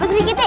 pak sri kiti